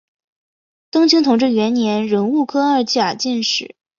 登清同治元年壬戌科二甲进士。